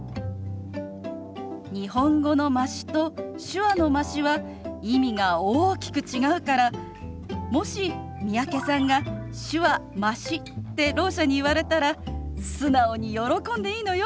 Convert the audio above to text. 日本語の「まし」と手話の「まし」は意味が大きく違うからもし三宅さんが「手話まし」ってろう者に言われたら素直に喜んでいいのよ。